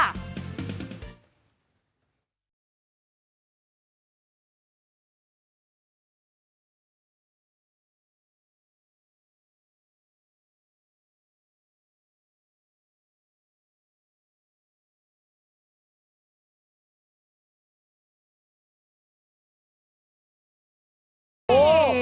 โอ้โห